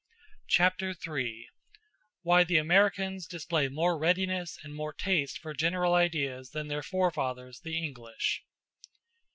Chapter III: Why The Americans Display More Readiness And More Taste For General Ideas Than Their Forefathers, The English.